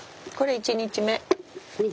１日目。